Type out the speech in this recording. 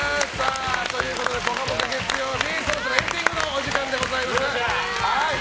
ということで「ぽかぽか」月曜日そろそろエンディングのお時間でございます。